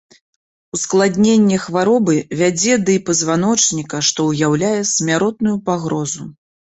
Ускладненне хваробы вядзе да і пазваночніка, што ўяўляе смяротную пагрозу.